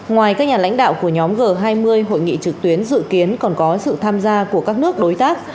ngoài các nhà lãnh đạo của nhóm g hai mươi hội nghị trực tuyến dự kiến còn có sự tham gia của các nước đối tác